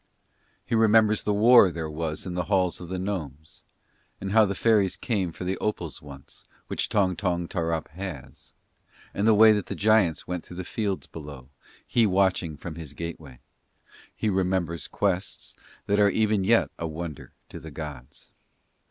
He remembers the war there was in the halls of the gnomes; and how the fairies came for the opals once, which Tong Tong Tarrup has; and the way that the giants went through the fields below, he watching from his gateway: he remembers quests that are even yet a wonder to the gods.